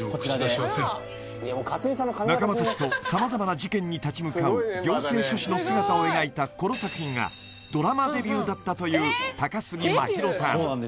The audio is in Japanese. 仲間たちと様々な事件に立ち向かう行政書士の姿を描いたこの作品がドラマデビューだったという高杉真宙さん